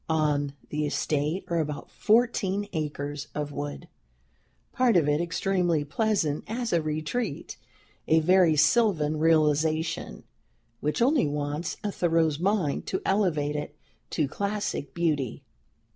On the estate are about fourteen acres of wood, part of it extremely pleasant as a retreat, a very sylvan realization, which only wants a Thoreau's mind to elevate it to classic beauty.